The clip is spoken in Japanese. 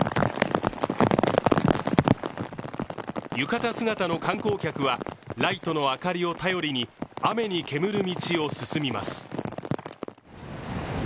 浴衣姿の観光客はライトの明かりを頼りに雨に煙る道を進みます。